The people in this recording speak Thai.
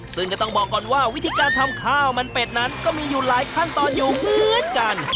ซึ่งก็ต้องบอกก่อนว่าวิธีการทำข้าวมันเป็ดนั้นก็มีอยู่หลายขั้นตอนอยู่เหมือนกัน